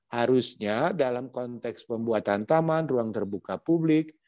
harusnya dalam konteks pembuatan taman ruang terbuka publik